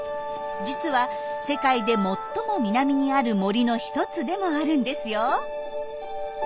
実は世界で最も南にある森の一つでもあるんですよ。